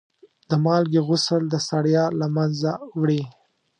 د مالګې غسل د ستړیا له منځه وړي.